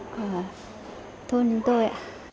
của thôn chúng tôi